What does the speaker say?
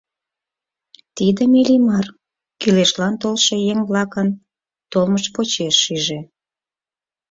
Тидым Иллимар кӱлешлан коштшо еҥ-влакын толмышт почеш шиже.